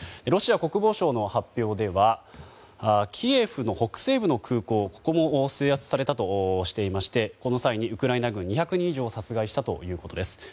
ロシア国防省の発表ではキエフ北西部の空港ここも制圧されたとしていましてこの際にウクライナ人２００人以上を殺害したということです。